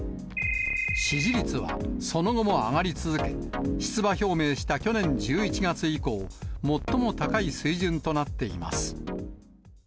支持率はその後も上がり続け、出馬表明した去年１１月以降、最も高い水準となっています。